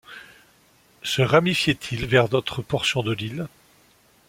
Se ramifiait-il vers d’autres portions de l’île